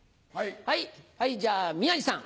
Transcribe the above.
はいじゃあ宮治さん。